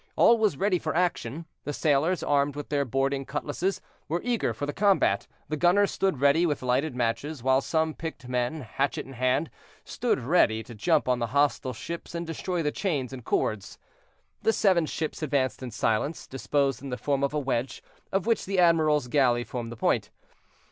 All was ready for action; the sailors, armed with their boarding cutlasses, were eager for the combat; the gunners stood ready with lighted matches; while some picked men, hatchet in hand, stood ready to jump on the hostile ships and destroy the chains and cords. The seven ships advanced in silence, disposed in the form of a wedge, of which the admiral's galley formed the point.